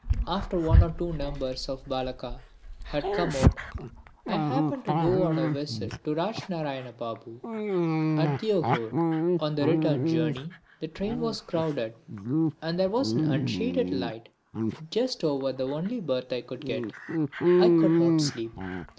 After one or two numbers of the Balaka had come out I happened to go on a visit to Rajnarayan Babu at Deoghur. On the return journey the train was crowded and as there was an unshaded light just over the only berth I could get, I could not sleep.